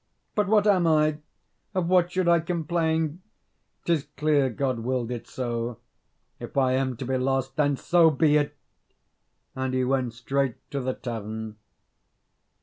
But what am I? Of what should I complain? 'Tis clear God willed it so. If I am to be lost, then so be it!" and he went straight to the tavern.